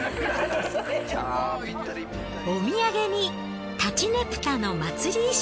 お土産に立佞武多の祭り衣装。